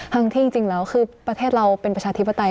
ทั้งที่จริงแล้วคือประเทศเราเป็นประชาธิปไตย